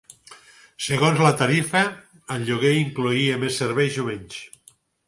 Segons la tarifa, el lloguer incloïa més serveis o menys.